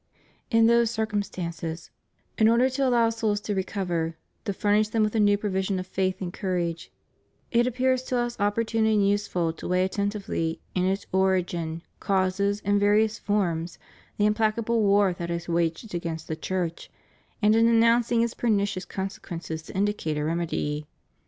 In those circum stances, in order to allow souls to recover, to furnish them with a new provision of faith and courage, it appears to Us opportune and useful to weigh attentively, in its origin, causes, and various forms, the implacable war that is waged against the Church; and in denouncing its pernicious con sequences to indicate a remedy.